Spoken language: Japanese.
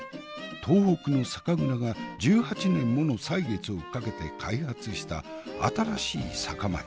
東北の酒蔵が１８年もの歳月をかけて開発した新しい酒米。